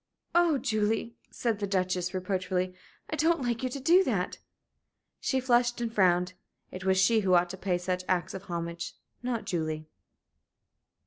"Oh, Julie," said the Duchess, reproachfully, "I don't like you to do that!" She flushed and frowned. It was she who ought to pay such acts of homage, not Julie.